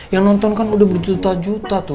yang nonton kan udah berjuta juta tuh